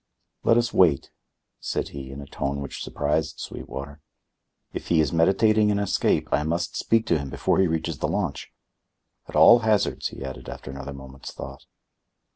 "Let us wait," said he, in a tone which surprised Sweetwater. "If he is meditating an escape, I must speak to him before he reaches the launch. At all hazards," he added after another moment's thought.